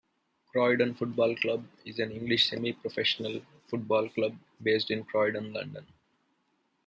Croydon Football Club is an English semi-professional football club based in Croydon, London.